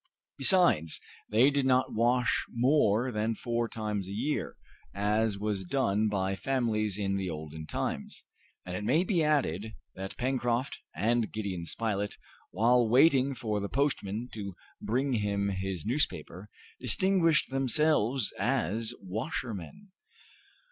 Besides, they did not wash more than four times a year, as was done by families in the olden times, and it may be added, that Pencroft and Gideon Spilett, while waiting for the postman to bring him his newspaper, distinguished themselves as washermen.